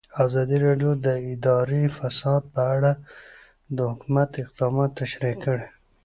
ازادي راډیو د اداري فساد په اړه د حکومت اقدامات تشریح کړي.